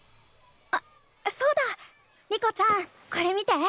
あそうだ。リコちゃんこれ見て。